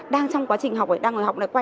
đang trong quá trình học đang ngồi học